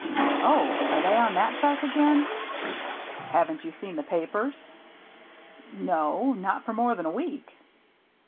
" Oh, are they on that track again ?"" Haven't you seen the papers ?"" No — not for more than a week."